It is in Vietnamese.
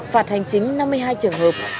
phạt hành chính năm mươi hai trường hợp